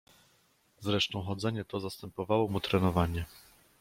"Zresztą chodzenie to zastępowało mu trenowanie."